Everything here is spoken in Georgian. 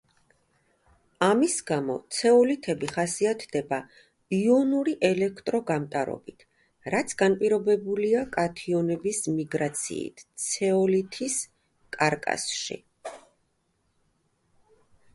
ამის გამო, ცეოლითები ხასიათდება იონური ელექტრო გამტარობით, რაც განპირობებულია კათიონების მიგრაციით ცეოლითის კარკასში.